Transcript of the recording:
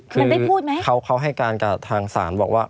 คือเขาให้การกับทางศาลบอกว่า